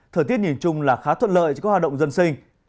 thời tiết nhìn chung là khá thuận lợi cho các hoạt động dân sinh